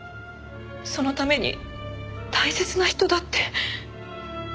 そのために大切な人だって。